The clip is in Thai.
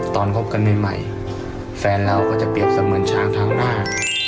คบกันใหม่แฟนเราก็จะเปรียบเสมือนช้างทั้งหน้า